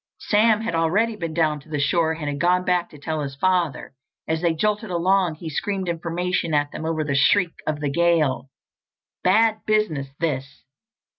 Sam had already been down to the shore and had gone back to tell his father. As they jolted along, he screamed information at them over the shriek of the gale. "Bad business, this!